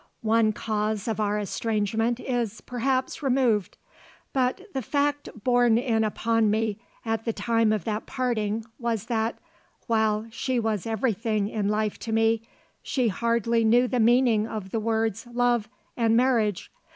One cause of our estrangement is, perhaps, removed; but the fact borne in upon me at the time of that parting was that, while she was everything in life to me, she hardly knew the meaning of the words love and marriage.